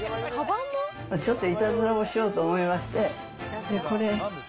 ちょっといたずらをしようと思いまして。